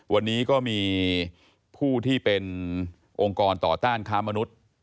วันนี้ก็มีผู้ที่เป็นองค์กรต่อต้านค้ามนุษย์